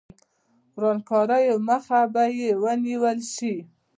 ورانکاریو مخه به یې ونیول شي.